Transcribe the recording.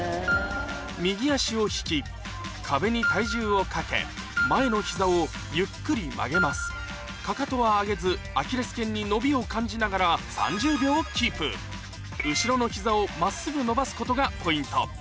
右足を引き壁に体重をかけ前の膝をゆっくり曲げますかかとは上げずアキレス腱に伸びを感じながら後ろの膝を真っすぐ伸ばすことがポイント